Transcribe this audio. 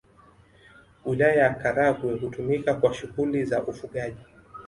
Wilaya ya Karagwe hutumika kwa shughuli za ufugaji